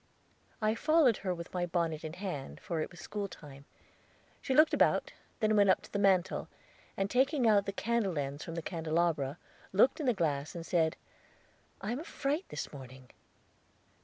I followed her with my bonnet in hand, for it was school time. She looked about, then went up to the mantel, and taking out the candle ends from the candelabra, looked in the glass, and said, "I am a fright this morning."